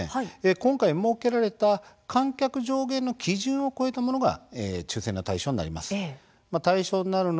今回、設けられた観客上限の基準を超えたものが抽せんの対象となります。